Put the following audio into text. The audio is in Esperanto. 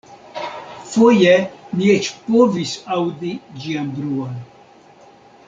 Foje ni eĉ povis aŭdi ĝian bruon.